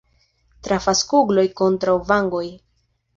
Trafas kugloj kontraŭ vangoj.